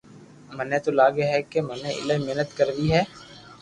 ميني تو لگي ھي ڪي مني ايلائي محنت ڪروي ھي